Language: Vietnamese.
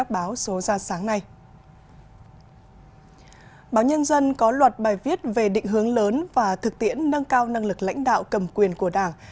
báo nhân dân có loạt bài viết về định hướng lớn và thực tiễn nâng cao năng lực lãnh đạo cầm quyền của đảng